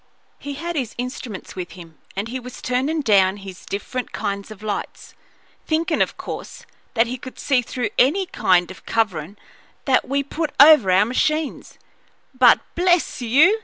He had his instruments with him, and he was turnin' down his different kinds of lights, thinkin', of course, that he could see through any kind of coverin' that we put over our machines; but, bless you!